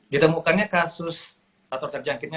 ditemukannya kasus atau terjangkitnya